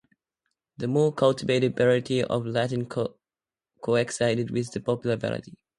The more cultivated variety of Latin coexisted with the popular variety.